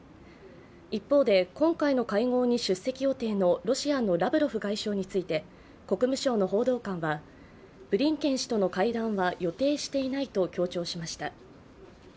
一方で、今回の会合に出席予定のロシアのラブロフ外相について国務省の報道官はブリンケン氏との会談は予定していないと強調しました。